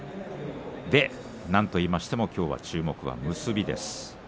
なんといってもきょうは注目は結びです。